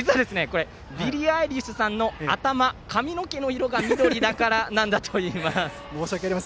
ビリー・アイリッシュさんの頭、髪の毛の色が緑だからなんだといいます。